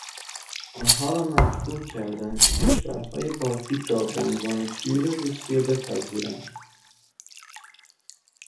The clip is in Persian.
آنها را مجبور کردند که کشورهای بالتیک را به عنوان تیول روسیه بپذیرند.